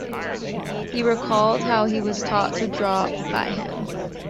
He recalled how he was taught to draw by him.